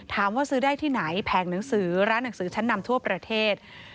ซื้อได้ที่ไหนแผงหนังสือร้านหนังสือชั้นนำทั่วประเทศ